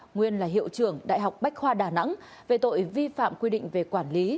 nguyên là hiệu trưởng đại học bách khoa đà nẵng về tội vi phạm quy định về quản lý